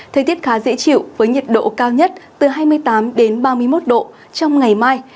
thời tiết khá dễ chịu với nhiệt độ cao nhất từ hai mươi tám đến ba mươi một độ trong ngày mai